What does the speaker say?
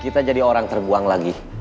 kita jadi orang terbuang lagi